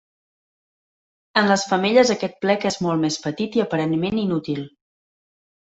En les femelles aquest plec és molt més petit i aparentment inútil.